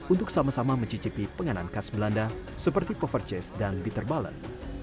untuk sama sama mencicipi penganan khas belanda seperti poverches dan bitterballen